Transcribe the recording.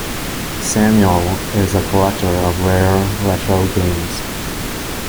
Samuel is a collector of rare retro games.